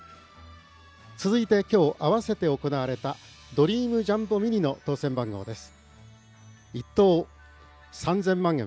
続いて、今日、併せて行われたドリームジャンボミニの当せん番号です。